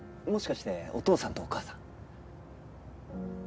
もしかしてお父さんとお母さん？